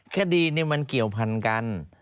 คดีนี้มันเกี่ยวพันกัน